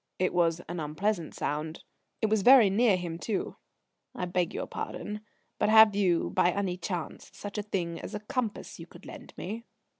It was an unpleasant sound. It was very near him too "I beg your pardon, but have you, by any chance, such a thing as a compass you could lend me?"